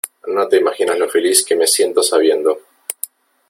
no te imaginas lo feliz que me siento sabiendo